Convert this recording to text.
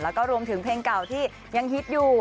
แล้วก็รวมถึงเพลงเก่าที่ยังฮิตอยู่